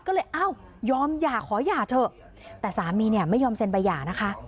ก็เลยอ้าวยอมหย่าขอหย่าเถอะแต่สามีเนี่ยไม่ยอมเซ็นใบหย่านะคะ